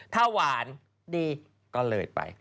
ถ้าหวานดีก็เลยไป